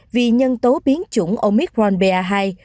vì nhân tố biến chủng omicron ba hai